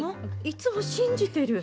いつも信じてる。